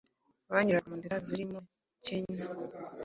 banyuraga mu nzira zirimo Kenya,